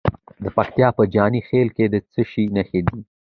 د پکتیکا په جاني خیل کې د څه شي نښې دي؟